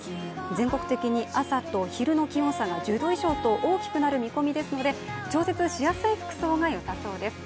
全国的に朝と昼の気温差が１０度以上と大きくなる見込みですので、調節しやすい服装がよさそうです。